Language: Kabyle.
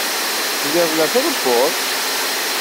Telliḍ la d-trebbuḍ.